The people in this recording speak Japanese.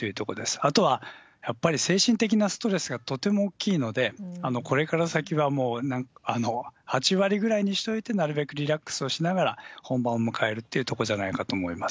あとはやっぱり精神的なストレスがとても大きいので、これから先はもう８割ぐらいにしといて、なるべくリラックスをしながら、本番を迎えるっていうところじゃないかと思います。